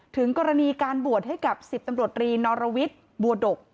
ถึงกรณีการบวชให้กับ๑๐ตำรวจรีนอรวิทย์บัวดก